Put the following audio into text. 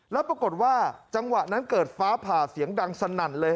แล้วปรากฏว่าจังหวะนั้นเกิดฟ้าผ่าเสียงดังสนั่นเลย